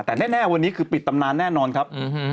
แต่แน่วันนี้คือปิดตำนานแน่นอนครับ